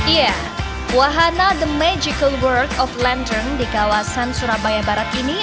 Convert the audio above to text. iya wahana the magical work of lander di kawasan surabaya barat ini